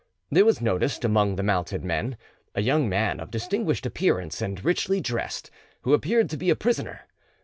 There was noticed, among the mounted men, a young man of distinguished appearance and richly dressed, who appeared to be a prisoner.